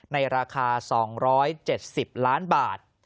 ในราคา๒๗๐ล้านบาท